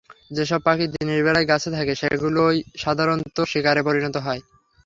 যেসব পাখি দিনের বেলায় গাছে থাকে, সেগুলোই সাধারণত শিকারে পরিণত হয়।